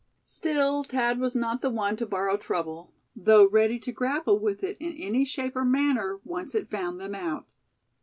Still, Thad was not the one to borrow trouble, though ready to grapple with it in any shape or manner, once it found them out.